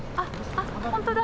あっ本当だ。